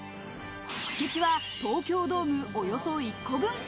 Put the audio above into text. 敷地は東京ドームおよそ１個分。